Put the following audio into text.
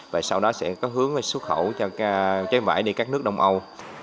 và sau đó sẽ có hướng xuất khẩu cho trái vải đi các nước đông âu